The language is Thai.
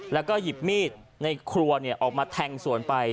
แล้วก็หยิบมีดในครัวออกมาแทงสวนไป